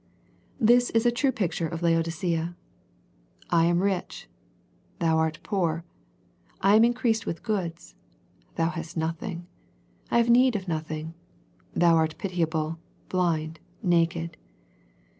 This is a true picture of Laodicea. " I am rich," " thou art poor ;" "I am increased with goods," " thou hast nothing ;" "I have need of noth ing," " thou are pitiable, blind, naked."